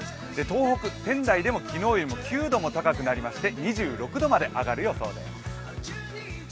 東北、仙台でも昨日より９度高くなりまして２６度まで上がる予想です。